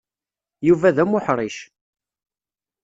Yuba d amuḥṛic.